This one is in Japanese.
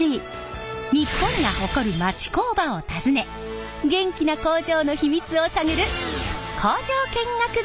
日本が誇る町工場を訪ね元気な工場の秘密を探る